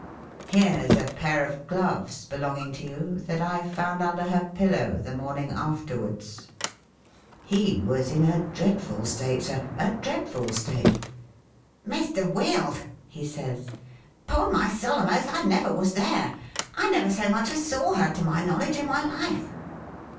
' Here 's a pair of gloves belonging to you, that I found under her pillow the morning afterwards !'" He was in a dreadful state, Sir ; a dreadful state !' Mr. Wield,' he says, ' upon my solemn oath I never was there. I never so much as saw her, to my knowledge, in my life